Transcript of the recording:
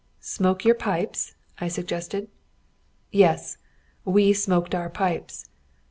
"Smoke your pipes?" I suggested. "Yes, we smoked our pipes."